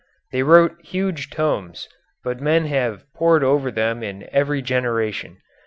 They wrote huge tomes, but men have pored over them in every generation.